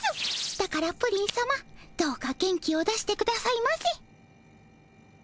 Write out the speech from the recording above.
だからプリンさまどうか元気を出してくださいませ。